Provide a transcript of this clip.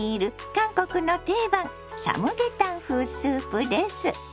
韓国の定番サムゲタン風スープです。